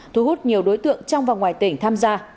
thu hút nhiều đối tượng trong và ngoài tỉnh tham gia